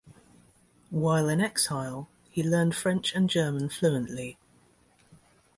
While in exile he learned French and German fluently.